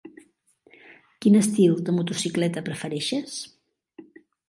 Quin estil de motocicleta prefereixes?